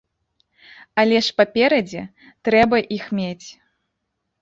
Але ж, паперадзе, трэба іх мець.